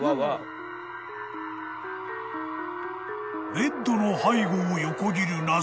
［ベッドの背後を横切る謎の影］